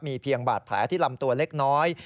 มีเพียงบาดแผลที่ลำตัวเล็กน้อย